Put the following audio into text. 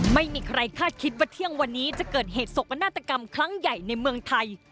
ไม่มีใครคาดคิดว่าเที่ยงวันนี้จะเกิดเหตุสกนาฏกรรมครั้งใหญ่ในเมืองไทย